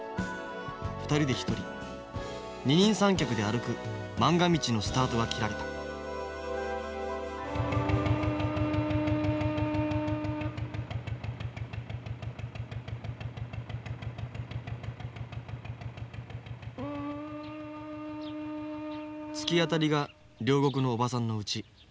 二人で一人二人三脚で歩くまんが道のスタートが切られた突き当たりが両国の叔母さんのうち。